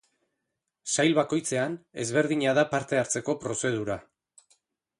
Sail bakoitzean ezberdina da parte hartzeko prozedura.